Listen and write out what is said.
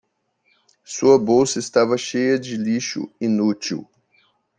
Sua bolsa estava cheia de lixo inútil.